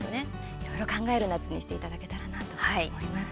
いろいろ考える夏にしていただけたらなと思います。